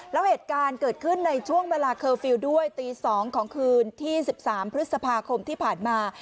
แล้วเหตุการณ์เกิดขึ้นในช่วงเวลาเคอร์ฟิลล์ด้วยตี๒ของคืนที่๑๓พฤษภาคมที่ผ่านมา